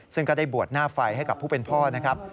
ซึ่งก็ได้บวชหน้าไฟให้กับผู้เป็นพ่อนะครับ